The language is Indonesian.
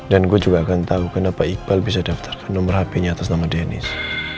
dan gue juga akan tahu kenapa iqbal bisa daftarkan nomor hpnya atas nama dennis